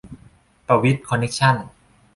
ประวิตร คอนเนคชั่น